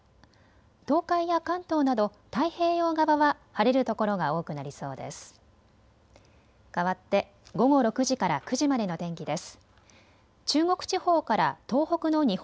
東海や関東など太平洋側は晴れる所が多くなりそうです。